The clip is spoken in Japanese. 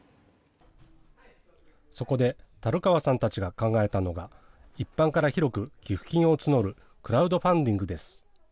そこで、樽川さんたちが考えたのが、一般から広く寄付金を募るクラウドファンディングです。